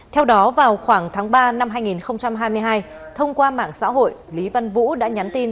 theo đó vào khoảng tháng ba năm hai nghìn hai mươi hai thông qua mạng xã hội lý văn vũ đã nhắn tin